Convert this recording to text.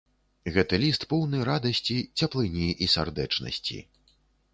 Гэты ліст поўны радасці, цяплыні і сардэчнасці.